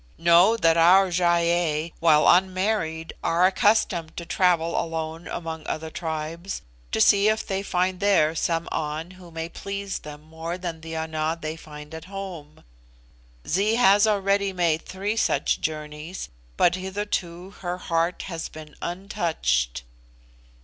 Know that our Gy ei, while unmarried, are accustomed to travel alone among other tribes, to see if they find there some An who may please them more than the Ana they find at home. Zee has already made three such journeys, but hitherto her heart has been untouched."